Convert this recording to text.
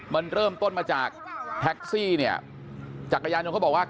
เป็นอะไรหลังหนาคีย์อะไรมา